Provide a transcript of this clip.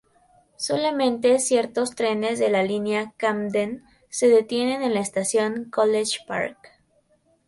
Solamente ciertos trenes de la línea Camden se detienen en la estación College Park.